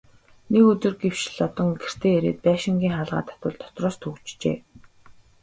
Нэг өдөр гэвш Лодон гэртээ ирээд байшингийн хаалгаа татвал дотроос түгжжээ.